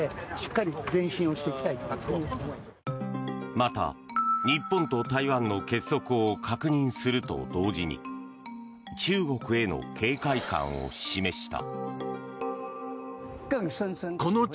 また、日本と台湾の結束を確認すると同時に中国への警戒感を示した。